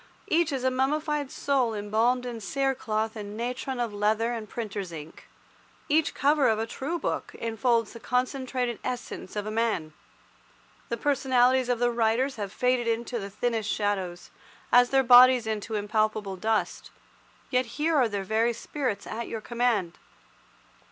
Each is a mummified soul embalmed in cere cloth and natron of leather and printer's ink. Each cover of a true book enfolds the concentrated essence of a man. The personalities of the writers have faded into the thinnest shadows, as their bodies into impalpable dust, yet here are their very spirits at your command.